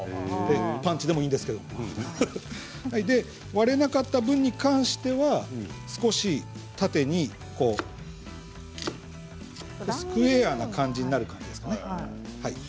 パンチでもいいんですけど割れなかった分に関しては少し縦にスクエアな感じになればいいですかね。